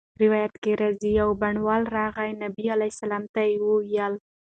روایت کي راځي: يو بانډَوال راغی، نبي عليه السلام ته ئي وويل